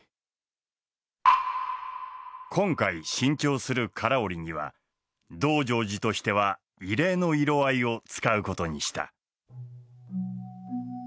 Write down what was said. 今回新調する唐織には「道成寺」としては異例の色合いを使うことにした。